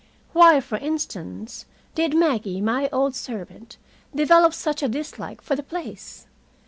Why, for instance, did Maggie, my old servant, develop such a dislike for the place?